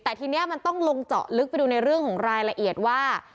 แต่ทีนี้มันต้องลงเจาะลึกไปดูในเรื่องของรายละเอียดว่า